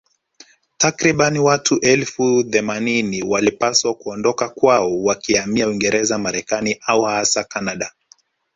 Takriban watu elfu themanini walipaswa kuondoka kwao wakihamia Uingerez Marekani au hasa Kanada